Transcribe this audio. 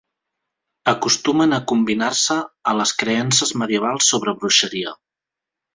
Acostumen a combinar-se a les creences medievals sobre bruixeria.